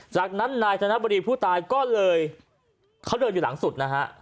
จากนั้นนายธนบรีผู้ตายก็เลยเขาเดินอยู่หลังสุดนะฮะ